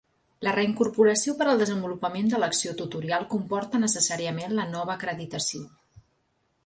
La reincorporació per al desenvolupament de l'acció tutorial comporta necessàriament la nova acreditació.